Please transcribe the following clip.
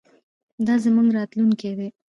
دا زموږ راتلونکی دی.